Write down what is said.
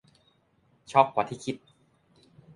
ช็อกกว่าที่คิด